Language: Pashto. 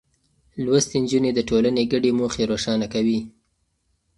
لوستې نجونې د ټولنې ګډې موخې روښانه کوي.